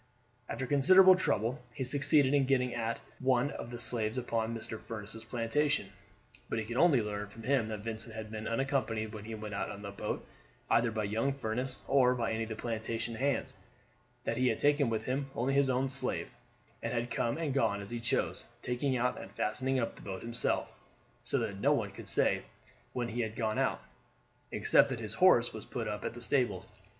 After considerable trouble he succeeded in getting at one of the slaves upon Mr. Furniss' plantation. But he could only learn from him that Vincent had been unaccompanied when he went out in the boat either by young Furniss or by any of the plantation hands; that he had taken with him only his own slave, and had come and gone as he chose, taking out and fastening up the boat himself, so that no one could say when he had gone out, except that his horse was put up at the stables.